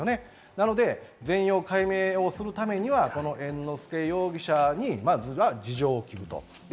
なので全容解明をするためには猿之助容疑者にまずは事情を聞くと。